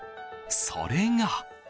それが。